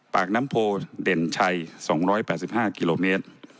ปากน้ำโพเด่นชัย๒๘๕กิโลเมตร